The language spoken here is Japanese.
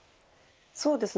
そうですね